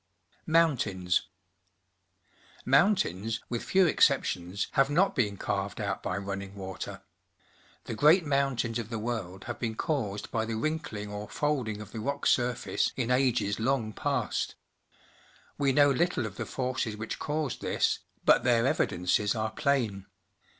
Mountains. — Mountains, with few excep tions, have not been carved out by running water. The great mountains of the world have been caused by the wrinkling or folding of the rock surface in ages long past. We know little of the forces which caused this, but their evidences are plain.